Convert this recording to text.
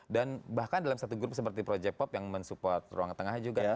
dan bahkan dalam satu grup seperti project pop yang mensupport ruang tengah juga